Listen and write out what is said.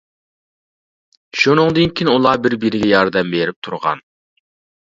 شۇنىڭدىن كېيىن ئۇلار بىر-بىرىگە ياردەم بېرىپ تۇرغان.